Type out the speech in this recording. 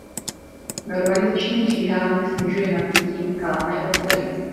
Normalizační žíhání snižuje napětí v kalené oceli.